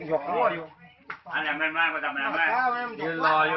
โอเคโอเคโอเค